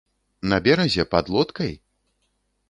На беразе, пад лодкай?